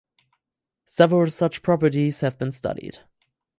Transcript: Several such properties have been studied.